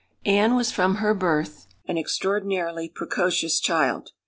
Anne was from her birth an extraordinarily precocious child.